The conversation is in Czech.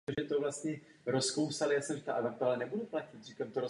Ze starého kostela se zachovaly presbytář a sakristie.